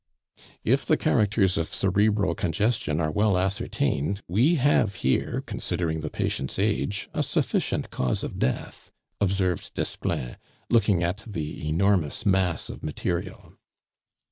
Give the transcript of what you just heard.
"If the characters of cerebral congestion are well ascertained, we have here, considering the patient's age, a sufficient cause of death," observed Desplein, looking at the enormous mass of material.